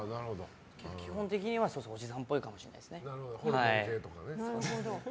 基本的にはおじさんっぽいかもしれないですね。